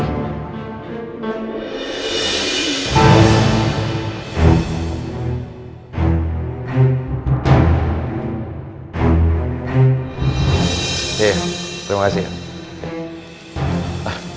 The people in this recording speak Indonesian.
eh terima kasih ya